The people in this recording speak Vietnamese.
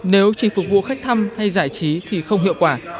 nếu chỉ phục vụ khách thăm hay giải trí thì không hiệu quả